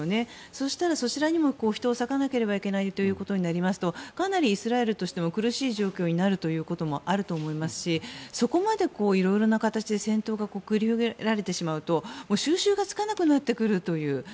そしたら、そちらにも人を割かなければならないとなるとかなりイスラエルとしても苦しい状況になると思いますしそこまでいろいろな形で戦闘が繰り広げられてしまうと収拾がつかなくなってくるという。